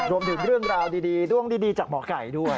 รวมถึงเรื่องราวดีด้วงดีจากหมอกไก่ด้วย